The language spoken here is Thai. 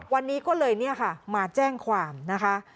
วันนี้ก็เลยมาแจ้งความนะคะ